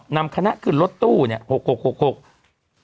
นำคณะขึ้นรถตู้เนี่ยหกหกหก